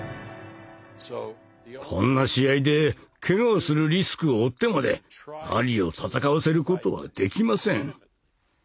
こんな試合でけがをするリスクを負ってまでアリを戦わせることはできません。